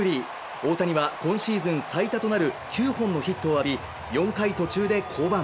大谷は今シーズン最多となる９本のヒットを浴び、４回途中で降板。